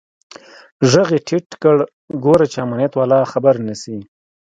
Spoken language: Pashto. ږغ يې ټيټ کړ ګوره چې امنيت والا خبر نسي.